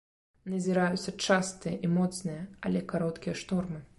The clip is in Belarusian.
Назіраюцца частыя і моцныя, але кароткія штормы.